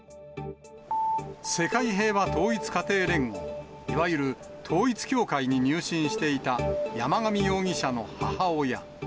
世界平和統一家庭連合、いわゆる統一教会に入信していた、山上容疑者の母親。